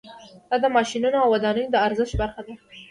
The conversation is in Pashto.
دا د ماشینونو او ودانیو د ارزښت برخه ده